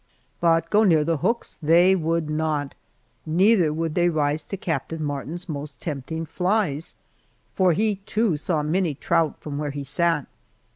But go near the hooks they would not, neither would they rise to Captain Martin's most tempting flies for he, too, saw many trout, from where he sat.